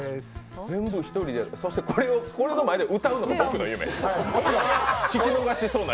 全部１人で、そしてこれの前で歌うのが夢？